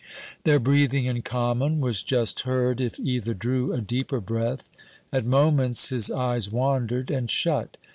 Their breathing in common was just heard if either drew a deeper breath. At moments his eyes wandered and shut.